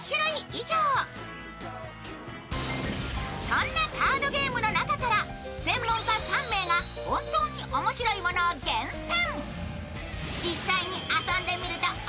そんなカードゲームの中から専門家３名が本当に面白いものを厳選。